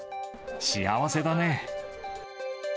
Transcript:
幸せだね。